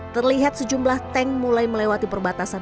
terlihat sejumlah tank mulai melewati perbatasan